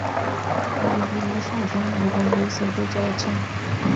একজন পুরুষ অসম ভূখণ্ডে সাইকেল চালাচ্ছেন